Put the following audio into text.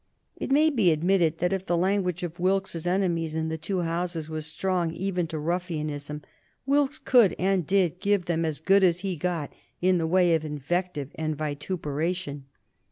It may be admitted that if the language of Wilkes's enemies in the two Houses was strong even to ruffianism, Wilkes could and did give them as good as he got in the way of invective and vituperation.